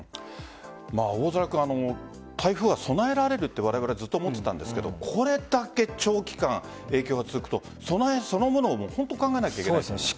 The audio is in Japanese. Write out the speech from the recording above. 大空くん、台風は備えられるとわれわれずっと思ってたんですがこれだけ長期間影響が続くと備えそのものを本当に考えないといけない。